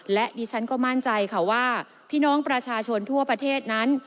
และดิฉันก็มั่นใจค่ะว่าพี่น้องประชาชนทั่วประเทศนั้น